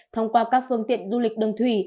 thông qua các phương tiện du lịch đường thủy